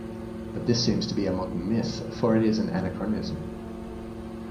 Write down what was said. But this seems to be a modern myth, for it is an anachronism.